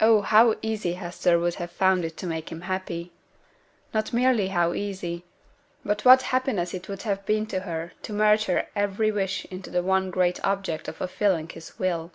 Oh! how easy Hester would have found it to make him happy! not merely how easy, but what happiness it would have been to her to merge her every wish into the one great object of fulfiling his will.